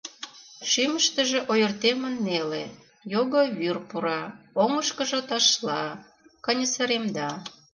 Шӱмыштыжӧ ойыртемын неле, його вӱр пура, оҥышкыжо ташла, каньысыремда.